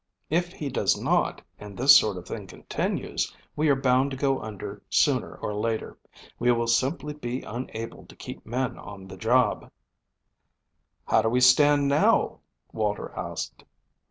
If he does not and this sort of thing continues, we are bound to go under sooner or later. We will simply be unable to keep men on the job." "How do we stand now?" Walter asked.